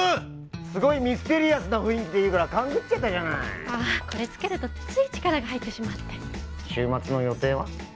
すごいミステリアスな雰囲気で言うから勘ぐっちゃったじゃないこれつけるとつい力が入ってしまって週末の予定は？